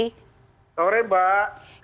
selamat sore mbak